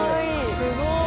すごい。